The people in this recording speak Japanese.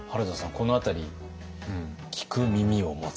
この辺り「聞く耳を持つ」。